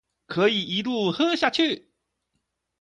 可以一路喝下去